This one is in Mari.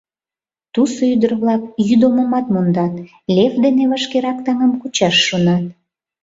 Тусо ӱдыр-влак йӱдомымат мондат, Лев дене вашкерак таҥым кучаш шонат.